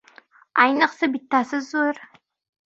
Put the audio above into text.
Ayniqsa bittasi zo‘r.